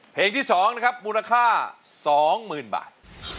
เพลงที่สองนะครับมูลค่าสองหมื่นบาท